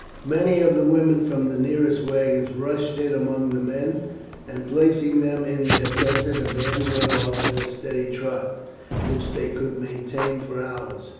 Many of the women from the nearest wagons rushed in among the men, and, placing them in their centre, the band went off at a steady trot, which they could maintain for hours.